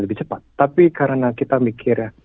lebih cepat tapi karena kita mikir